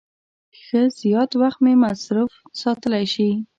ښه زیات وخت مې مصروف ساتلای شي.